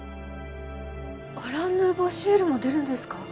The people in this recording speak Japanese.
アラン・ヌーボー・シエルも出るんですか？